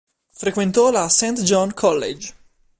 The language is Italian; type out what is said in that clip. Frequentò la St. John College.